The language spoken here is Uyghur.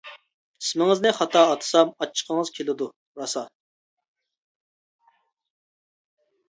ئىسمىڭىزنى خاتا ئاتىسام، ئاچچىقىڭىز كېلىدۇ راسا.